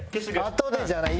あとでじゃない。